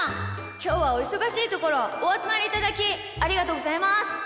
きょうはおいそがしいところおあつまりいただきありがとうございます。